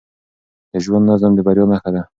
د ژوند نظم د بریا نښه ده.